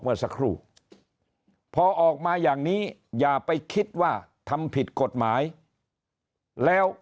เมื่อสักครู่พอออกมาอย่างนี้อย่าไปคิดว่าทำผิดกฎหมายแล้ว